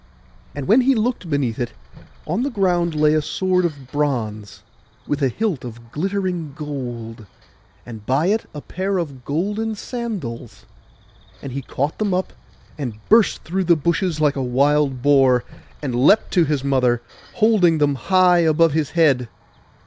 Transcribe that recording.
And when he looked beneath it, on the ground lay a sword of bronze, with a hilt of glittering gold, and by it a pair of golden sandals; and he caught them up, and burst through the bushes like a wild boar, and leapt to his mother, holding them high above his head.